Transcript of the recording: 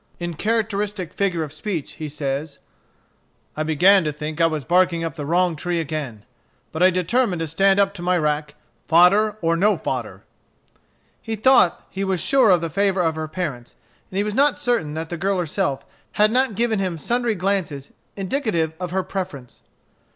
In characteristic figure of speech he says, "I began to think I was barking up the wrong tree again. But I determined to stand up to my rack, fodder or no fodder." He thought he was sure of the favor of her parents, and he was not certain that the girl herself had not given him sundry glances indicative of her preference.